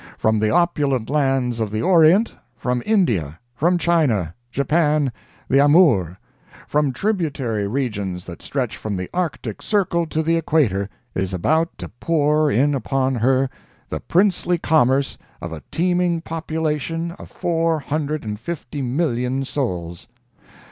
From the opulent lands of the Orient, from India, from China, Japan, the Amoor; from tributary regions that stretch from the Arctic circle to the equator, is about to pour in upon her the princely commerce of a teeming population of four hundred and fifty million souls.